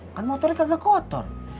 kan motornya kagak kotor